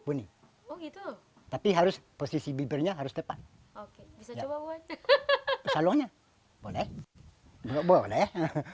buni oh gitu tapi harus posisi bibirnya harus depan oke bisa coba buat salonnya boleh boleh